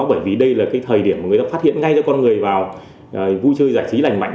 bởi vì đây là thời điểm người ta phát hiện ngay cho con người vào vui chơi giải trí lành mạnh